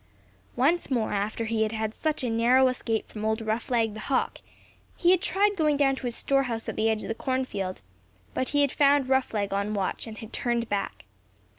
Once more after he had such a narrow escape from old Roughleg the Hawk, he had tried going down to his store house at the edge of the cornfield, but he had found Roughleg on watch and had turned back.